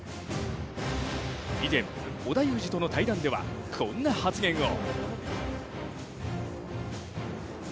以前、織田裕二との対談ではこんな発言を。